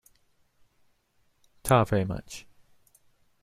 Ta very much.